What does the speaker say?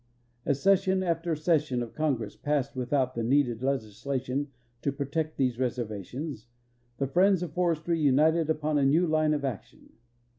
As session after session of Congress passed without the needed legislation to protect these reservations, the friends of forestry united upon a new line of action.